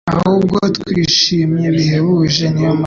ahubwo twishimye bihebuje'.» Niyo mpamvu,